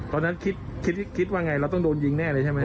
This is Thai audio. ตอนนั้นคิดคิดว่าไงเราต้องโดนยิงแน่เลยใช่ไหม